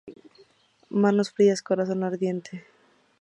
Manos frías, corazón ardiente